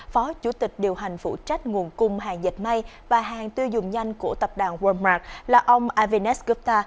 phó chủ tịch điều hành phụ trách nguồn cung hàng dạch mây và hàng tư dùng nhanh của tập đoàn walmart là ông avinash gupta